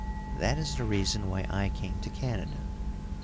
That is the reason why I came to Canada.